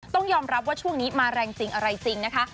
ต้องยอมรับว่าช่วงนี้มาแรงจริงอะไรจริงนะคะ